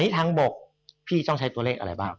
ทางบกพี่ต้องใช้ตัวเลขอะไรบ้าง